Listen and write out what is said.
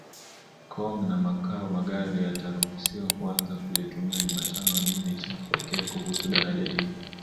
Kong na Macau Magari yataruhusiwa kuanza kulitumia Jumatano Nini cha kipekee kuhusu daraja hili